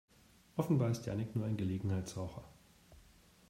Offenbar ist Jannick nur ein Gelegenheitsraucher.